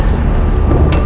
aku akan menangkanmu